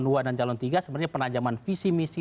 dua dan calon tiga sebenarnya penajaman visi misi